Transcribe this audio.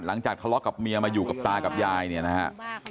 หลังจากทะเลาะกับเมียมาอยู่กับตากับยายเนี่ยนะฮะ